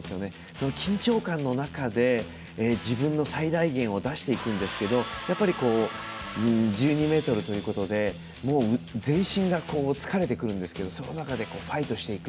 その緊張感の中で自分の最大限を出していくんですけどやっぱり、１２ｍということでもう全身が疲れてくるんですけどその中でファイトしていく。